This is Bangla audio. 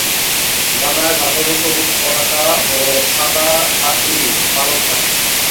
ডানায় ধাতব-সবুজ পতাকা ও সাদা ঢাকনি-পালক থাকে।